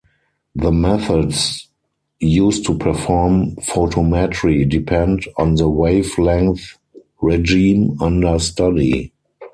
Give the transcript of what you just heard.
The methods used to perform photometry depend on the wavelength regime under study.